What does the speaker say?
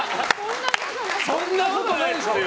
そんなことないですよ！